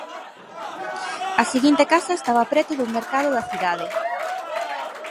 A seguinte casa estaba preto dun mercado aa cidade.